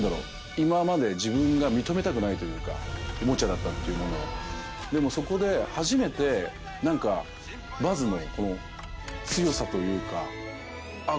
今まで自分が認めたくないというかオモチャだったっていうものをでもそこで初めてなんかバズのこの強さというかあっ